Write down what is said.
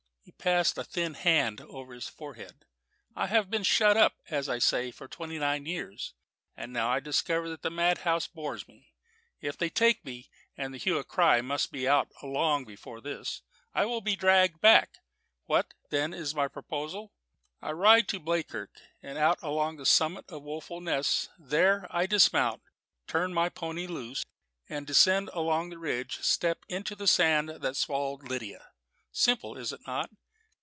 He passed a thin hand over his forehead. "I have been shut up, as I say, for twenty nine years, and I now discover that the madhouse bores me. If they re take me and the hue and cry must be out long before this I shall be dragged back. What, then, is my proposal? I ride to Bleakirk and out along the summit of Woeful Ness. There I dismount, turn my pony loose, and, descending along the ridge, step into the sand that swallowed Lydia. Simple, is it not?